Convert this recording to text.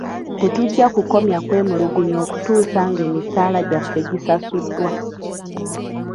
Tetujja kukomya kwemulugunya okutuusa ng'emisaala gyaffe gisasuddwa.